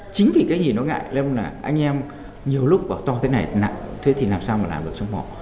chính vì cái nhìn nó ngại nên là anh em nhiều lúc bảo to thế này nặng thế thì làm sao mà làm được trong họ